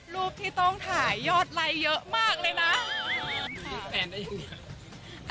รูปที่ต้องถ่ายยอดไรเยอะมากเลยนะ